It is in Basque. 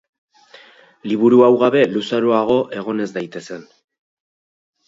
Liburu hau gabe luzaroago egon ez daitezen.